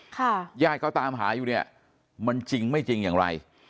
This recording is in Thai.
ญาติเขาตามหาอยู่เนี่ยมันจริงไม่จริงอย่างไร